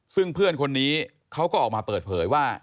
ซึ่งเพื่อนคนนี้เขาก็ออกมาเปิดเผยว่า